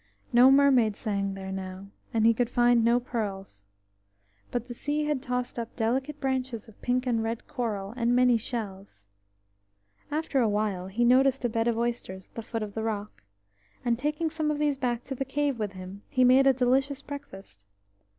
No mermaid sang there now, and he could find no pearls: but the sea had tossed up delicate branches of pink and red coral, and many shells. After a while he noticed a bed of oysters at the foot of the rock, and taking some of these back to the cave with him, he made a delicious breakfast.